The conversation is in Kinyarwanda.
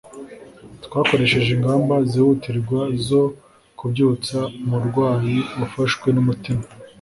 twakoresheje ingamba zihutirwa zo kubyutsa umurwayi wafashwe numutima